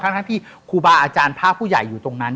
ทั้งที่ครูบาอาจารย์พระผู้ใหญ่อยู่ตรงนั้น